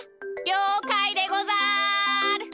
りょうかいでござる！